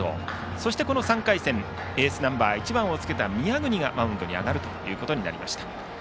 そして、３回戦エースナンバー１番をつけた宮國がマウンドに上がることになりました。